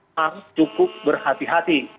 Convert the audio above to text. harus cukup berhati hati